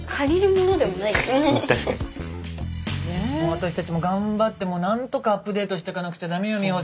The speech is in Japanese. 私たちも頑張ってもう何とかアップデートしてかなくちゃ駄目よ美穂さん。